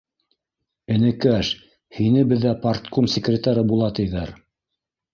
— Энекәш, һине беҙҙә парткум секретары була, тиҙәр